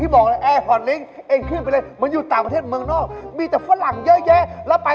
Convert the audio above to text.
ห้ะอืมผมบอกด้วยว่า